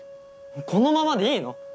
このままでいいの？